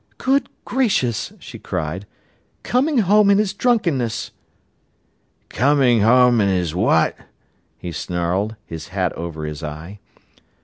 "Good gracious," she cried, "coming home in his drunkenness!" "Comin' home in his what?" he snarled, his hat over his eye.